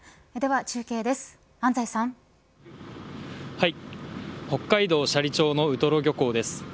はい、北海道斜里町のウトロ漁港です。